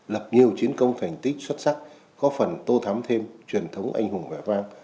lập nhiều chiến công thành tích xuất sắc có phần tô thám thêm truyền thống anh hùng và vang